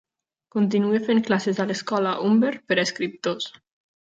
Continua fent classes a l'escola Humber per a escriptors.